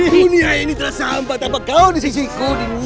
dunia ini tersampak tanpa kau disisiku ini